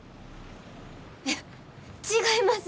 いや違います！